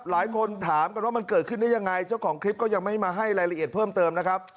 หลายคนถามกันว่ามันเกิดขึ้นได้ยังไงเจ้าของคลิปก็ยังไม่มาให้รายละเอียดเพิ่มเติมนะครับ